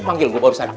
panggil gue baru saja